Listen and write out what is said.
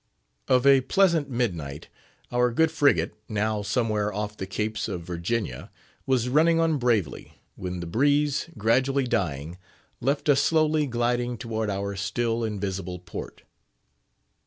Of a pleasant midnight, our good frigate, now somewhere off the Capes of Virginia, was running on bravely, when the breeze, gradually dying, left us slowly gliding toward our still invisible port.